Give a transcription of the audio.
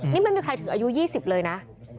นี่ไม่มีใครถึงอายุ๒๐เลยนะ